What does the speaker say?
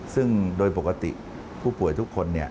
ซึ่งโดยปกติผู้ป่วยทุกคน